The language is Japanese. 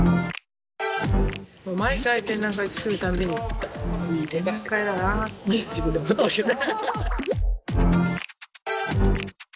毎回展覧会作る度に「いい展覧会だな」って自分で思ってるけどね。